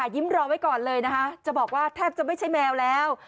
รอไว้ก่อนเลยนะคะจะบอกว่าแทบจะไม่ใช่แมวแล้ว